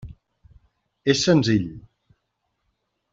És senzill.